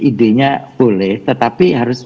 idenya boleh tetapi harus